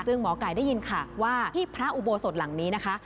ซึ่งหมอไก่ได้ยินค่ะว่าที่พระอุโบสถหลังนี้นะคะ